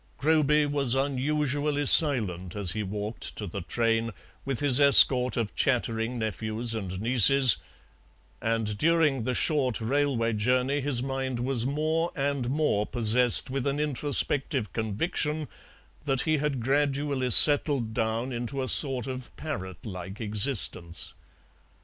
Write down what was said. Groby was unusually silent as he walked to the train with his escort of chattering nephews and nieces, and during the short railway journey his mind was more and more possessed with an introspective conviction that he had gradually settled down into a sort of parrot like existence.